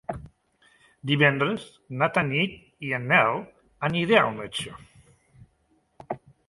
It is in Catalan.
Divendres na Tanit i en Nel aniré al metge.